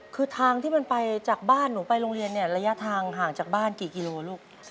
คือทางที่มันไปจากบ้านหนูไปโรงเรียนเนี่ยระยะทางห่างจากบ้านกี่กิโลลูก